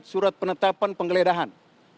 surat penetapan pengeledahan